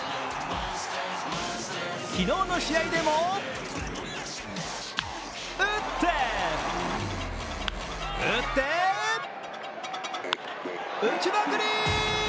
昨日の試合でも打って、打って、打ちまくり！